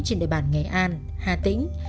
trên đại bản nghệ an hà tĩnh